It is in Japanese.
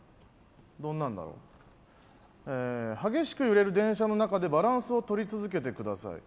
どんなんだろうえ激しく揺れる電車の中でバランスをとり続けてください